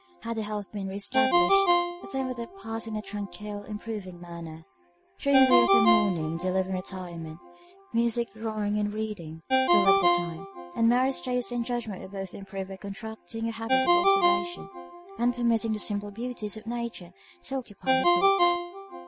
Had her health been re established, the time would have passed in a tranquil, improving manner. During the year of mourning they lived in retirement; music, drawing, and reading, filled up the time; and Mary's taste and judgment were both improved by contracting a habit of observation, and permitting the simple beauties of Nature to occupy her thoughts.